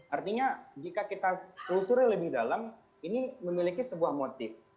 artinya jika kita telusuri lebih dalam ini memiliki sebuah motif